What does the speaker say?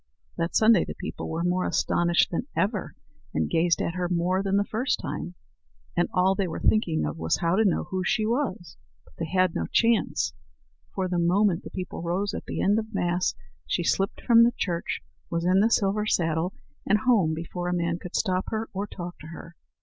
That Sunday the people were more astonished than ever, and gazed at her more than the first time; and all they were thinking of was to know who she was. But they had no chance; for the moment the people rose at the end of Mass she slipped from the church, was in the silver saddle, and home before a man could stop her or talk to her.